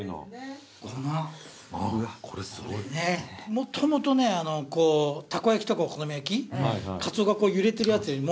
もともとねたこ焼きとかお好み焼きかつおがこう揺れてるやつよりも。